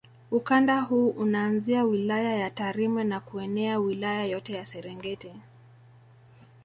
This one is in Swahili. Ukanda huu unaanzia wilaya ya Tarime na kuenea Wilaya yote ya Serengeti